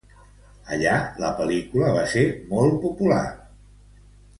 Allà la pel·lícula va ser molt popular.